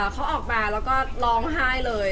เขาออกมาแล้วก็ร้องไห้เลย